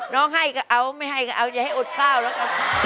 ให้ก็เอาไม่ให้ก็เอาอย่าให้อดข้าวแล้วกัน